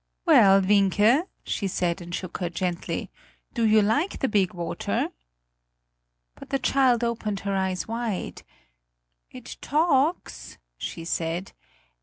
"Well, Wienke," she said, and shook her gently, "do you like the big water?" But the child opened her eyes wide. "It talks," she said.